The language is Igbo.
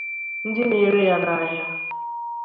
ndị na-ere ya n'ahịa